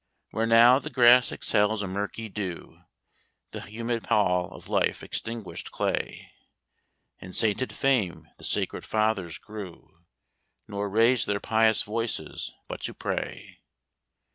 "Where now the grass exhales a murky dew, The humid pall of life extinguished clay, In sainted fame the sacred fathers grew, Nor raised their pious voices but to pray.